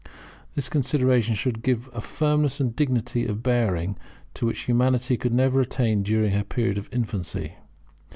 This consideration should give a firmness and dignity of bearing, to which Humanity could never attain during her period of infancy.